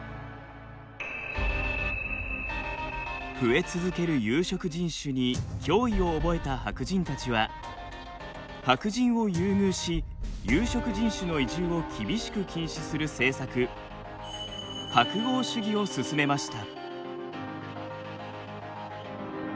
増え続ける有色人種に脅威を覚えた白人たちは白人を優遇し有色人種の移住を厳しく禁止する政策白豪主義を進めました。